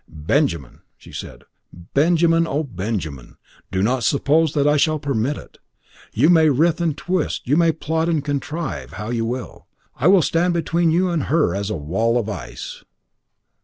"Benjamin!" she said, "Benjamin! Oh, Benjamin! Do not suppose that I shall permit it. You may writhe and twist, you may plot and contrive how you will, I will stand between you and her as a wall of ice."